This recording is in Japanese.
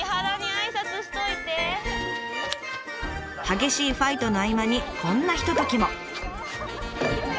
激しいファイトの合間にこんなひとときも。